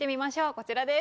こちらです。